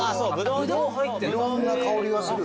いろんな香りがする。